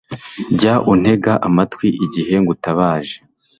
jya untega amatwi igihe ngutabaje